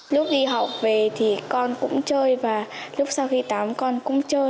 lúc đi học về thì con cũng chơi và lúc sau khi tám con cũng chơi